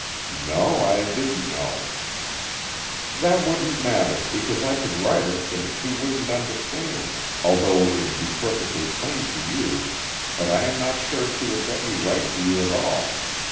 "No, I didn't know." "That wouldn't matter, because I could write it so that she wouldn't understand, although it would be perfectly plain to you, but I am not sure she would let me write to you at all.